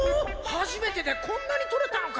はじめてでこんなにとれたのか！？